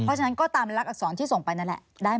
เพราะฉะนั้นก็ตามลักษรที่ส่งไปนั่นแหละได้ไหม